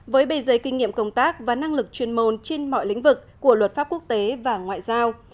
với bề giấy kinh nghiệm công tác và năng lực chuyên môn trên mọi lĩnh vực của luật pháp quốc tế và ngoại giao